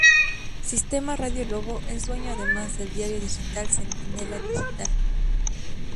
Sistema Radio Lobo es dueño además del diario digital Centinela Digital.